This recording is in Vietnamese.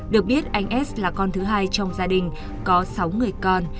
được biết anh s là con thứ hai trong gia đình có sáu người con